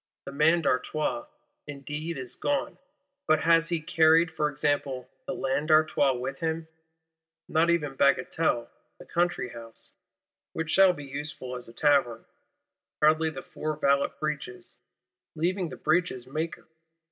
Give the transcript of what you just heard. The Man d'Artois indeed is gone; but has he carried, for example, the Land D'Artois with him? Not even Bagatelle the Country house (which shall be useful as a Tavern); hardly the four valet Breeches, leaving the Breeches maker!